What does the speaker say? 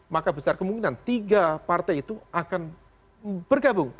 maka besar kemungkinan tiga partai itu akan bergabung